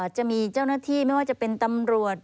จะมีเจ้าหน้าที่ไม่ว่าจะเป็นตำรวจ